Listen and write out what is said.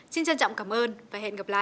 xin trân trọng cảm ơn và hẹn gặp lại